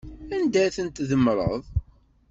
Anda ay tent-tdemmreḍ?